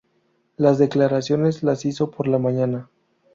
Las declaraciones las hizo por la mañana.